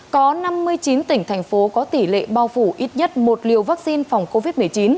có năm mươi chín tỉnh thành phố có tỷ lệ bao phủ ít nhất một liều vaccine phòng covid một mươi chín